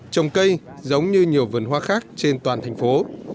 trồng cây giống như nhiều vườn hoa khác trên toàn thành phố